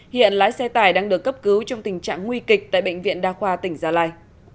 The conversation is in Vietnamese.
hiện lái xe tải đang được cấp cứu trong tình trạng nguy kịch tại bệnh viện đa khoa tỉnh gia lai